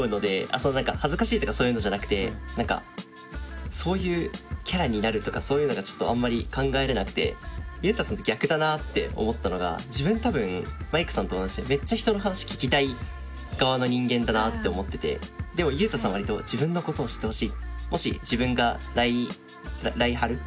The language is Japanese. その何か恥ずかしいとかそういうのじゃなくてそういうキャラになるとかそういうのがちょっとあんまり考えれなくてゆうたさんと逆だなって思ったのが自分多分まいかさんと同じでめっちゃ人の話聞きたい側の人間だなって思っててでもゆうたさんは割と自分のことを知ってほしい。